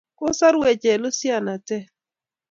kosarwech en lusyotin natet